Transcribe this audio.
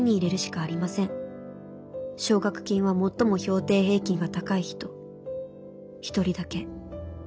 奨学金は最も評定平均が高い人一人だけ。